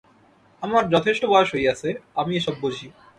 আমার যথেষ্ট বয়স হইয়াছে, আমি এ-সব বুঝি।